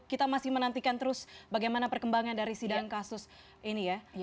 kita masih menantikan terus bagaimana perkembangan dari sidang kasus ini ya